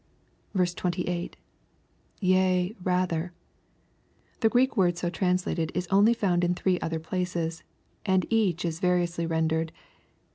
28. —[ Fwt, rather,] The Greek word so translated is only found in three other places^nd in each is variously rendered.